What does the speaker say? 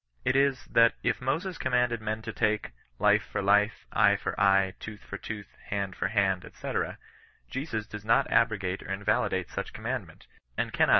It is, that if Moses commanded men to take " life for life, eye for eye, tooth for tooth, hand for hand^^ &c., Jesus does not abrogate or invalidate such commandment, and cannc^.